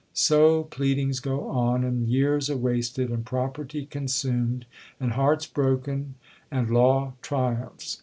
So pleadings go on, and years are wasted, and property consumed, and hearts broken,—and law triumphs.